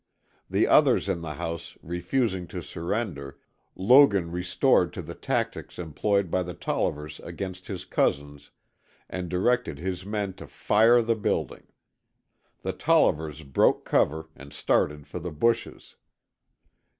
The others in the house refusing to surrender, Logan resorted to the tactics employed by the Tollivers against his cousins and directed his men to fire the building. The Tollivers broke cover and started for the bushes.